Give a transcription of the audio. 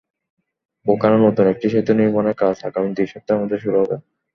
ওখানে নতুন একটি সেতু নির্মাণের কাজ আগামী দুই সপ্তাহের মধ্যে শুরু হবে।